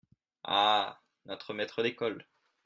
Ah ! notre maître d’école !…